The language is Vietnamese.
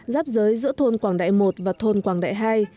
giáp giới giữa thôn quảng đại một và thôn quảng đại hai